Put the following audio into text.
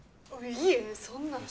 いえそんな。